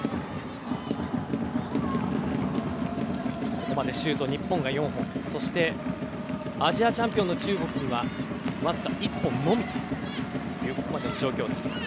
ここまでシュート、日本が４本そして、アジアチャンピオン中国はわずか１本のみです。